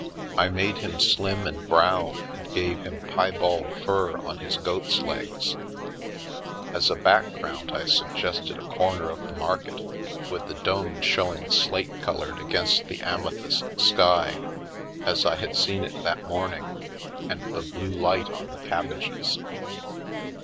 I made him slim and brown, and gave him piebald fur on his goat's legs; as a background I suggested a corner of the market, with the dome showing slate coloured against the amethyst sky, as I had seen it that morning, and the blue light on the cabbages.